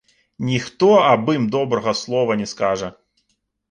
Ніхто аб ім добрага слова не скажа.